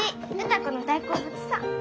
歌子の大好物さ。